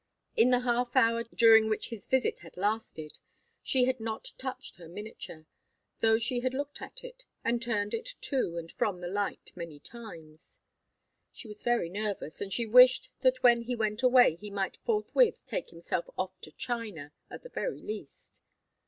In the half hour during which his visit had lasted, she had not touched her miniature, though she had looked at it, and turned it to and from the light many times. She was very nervous, and she wished that when he went away he might forthwith take himself off to China, at the very least.